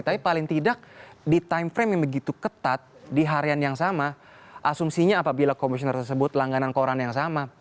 tapi paling tidak di time frame yang begitu ketat di harian yang sama asumsinya apabila komisioner tersebut langganan koran yang sama